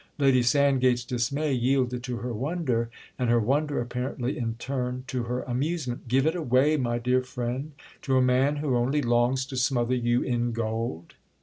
Lady Sandgate's dismay yielded to her wonder, and her wonder apparently in turn to her amusement. "'Give it away,' my dear friend, to a man who only longs to smother you in gold?"